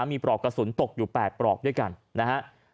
มีปลอกกระสุนตกอยู่๘ปลอกด้วยกันนะฮะ